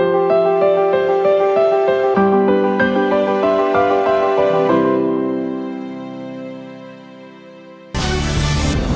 โปรดติดตามตอนต่อไป